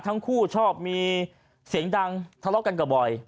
ชอบมีเสียงดังทะเลาะกันก็บ่อย